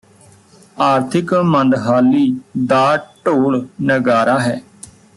ਆਰਥਿਕ ਮੰਦਹਾਲੀ ਦਾ ਢੋਲ ਨਗਾਰਾ ਹੈ